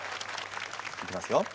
いきますよ。